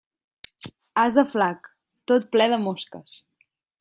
Ase flac, tot ple de mosques.